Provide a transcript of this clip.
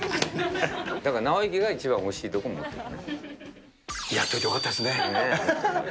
だから尚之が一番おいしいところやっといてよかったですね。